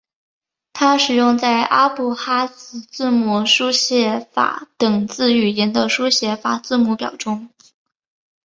它使用在阿布哈兹字母书写法等之语言的书写法字母表中。